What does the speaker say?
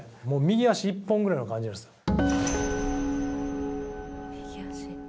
もう右足一本ぐらいの感じなんです。